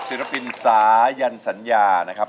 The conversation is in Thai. ศิลปินสายันสัญญานะครับ